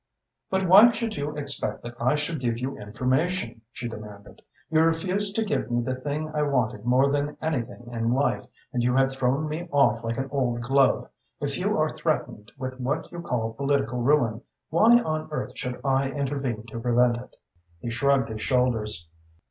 "But why should you expect that I should give you information?" she demanded. "You refused to give me the thing I wanted more than anything in life and you have thrown me off like an old glove. If you are threatened with what you call political ruin, why on earth should I intervene to prevent it?" He shrugged his shoulders.